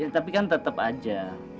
tapi kan tetap aja